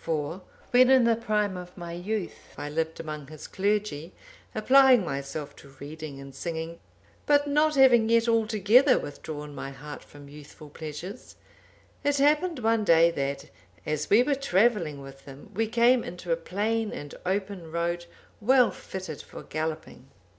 For, when in the prime of my youth, I lived among his clergy, applying myself to reading and singing, but not having yet altogether withdrawn my heart from youthful pleasures, it happened one day that, as we were travelling with him, we came into a plain and open road, well fitted for galloping.